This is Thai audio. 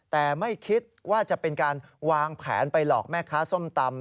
แต่ไม่คิดว่าจะเป็นการวางแผนไปหลอกแม่ค้าส้มตำ